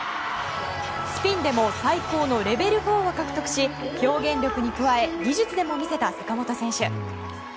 スピンでも最高評価のレベル４を獲得し表現力に加え技術でも魅せた坂本選手。